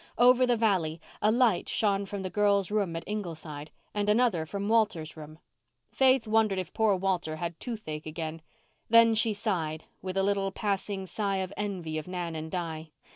Over the valley a light shone from the girls' room at Ingleside, and another from Walter's room. Faith wondered if poor Walter had toothache again. Then she sighed, with a little passing sigh of envy of Nan and Di.